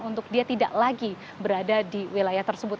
untuk dia tidak lagi berada di wilayah tersebut